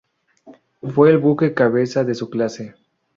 Fue el buque cabeza de su clase.